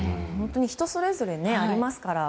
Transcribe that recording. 人それぞれありますからね。